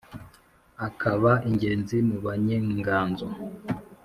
akaba ingenzi mu banyenganzo.